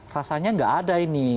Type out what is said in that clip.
rasanya gak ada ini